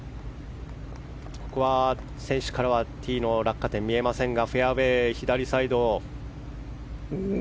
ここは選手からはティーの落下点が見えませんがフェアウェー左サイド。